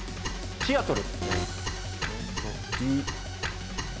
シアトル。